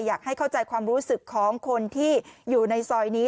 อยากให้เข้าใจความรู้สึกของคนที่อยู่ในซอยนี้